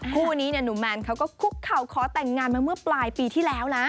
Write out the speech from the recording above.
คู่นี้เนี่ยหนุ่มแมนเขาก็คุกเข่าขอแต่งงานมาเมื่อปลายปีที่แล้วนะ